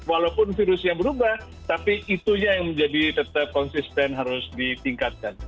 walaupun virusnya berubah tapi itunya yang menjadi tetap konsisten harus ditingkatkan